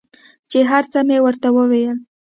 چې هر څه مې ورته وويل.